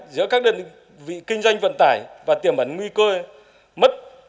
giữa các đơn vị kinh doanh vận tải và tiềm ẩn nguy cơ mất